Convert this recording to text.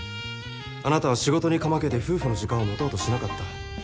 あなたは仕事にかまけて夫婦の時間を持とうとしなかった。